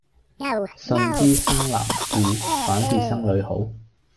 信知生男惡，反是生女好。